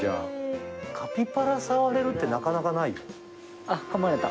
「カピバラ触れるってなかなかないよ」あっかまれた。